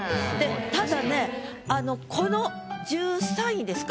ただねこの１３位ですか